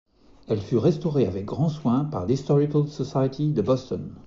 Elle fut restaurée avec grand soin par l'Historical Society de Boston.